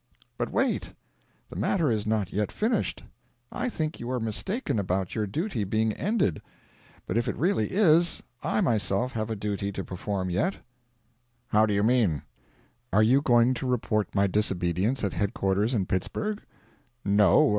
'But wait. The matter is not yet finished. I think you are mistaken about your duty being ended; but if it really is, I myself have a duty to perform yet.' 'How do you mean?' 'Are you going to report my disobedience at headquarters in Pittsburg?' 'No.